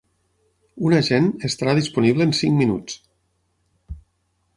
Un agent estarà disponible en cinc minuts.